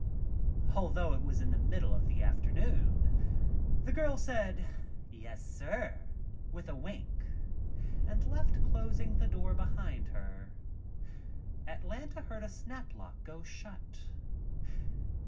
Although it was in the middle of the afternoon, the girl said "yes, sir," with a wink and left closing the door behind her. Atlanta heard a snap lock go shut.